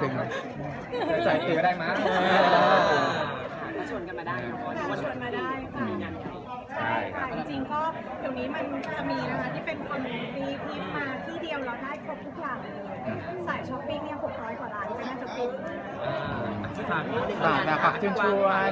แต่จริงก็ตอนนี้มันจะมีนะคะคนลงทีพิมพ์มาที่เดียวแล้วได้ครบทุกอย่างเลย